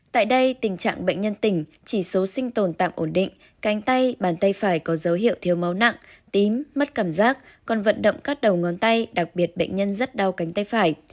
tại đây tình trạng bệnh nhân tỉnh chỉ số sinh tồn tạm ổn định canh tay bàn tay phải có dấu hiệu thiếu máu nặng tím mất cảm giác còn vận động các đầu ngón tay đặc biệt bệnh nhân rất đau cánh tay phải